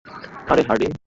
আরে, হার্ডিন।